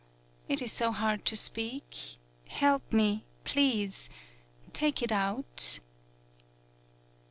It is so hard to speak. Help me, please. Take it out.'